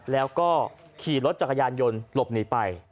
แล้วก็ขี่รถจักรยานยนต์หลบหนีไป